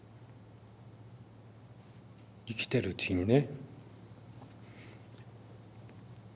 生きてるうちにね。